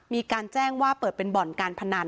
มีการแจ้งว่าเปิดเป็นบ่อนการพนัน